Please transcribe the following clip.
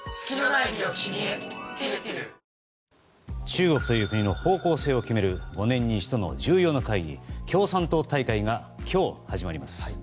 中国という国の方向性を決める５年に一度の重要な会議共産党大会が今日、始まります。